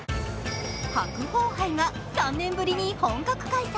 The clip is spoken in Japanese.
白鵬杯が３年ぶりに本格開催。